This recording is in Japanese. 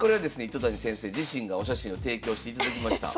糸谷先生自身がお写真を提供していただきました。